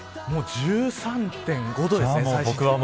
もう１３．５度ですね。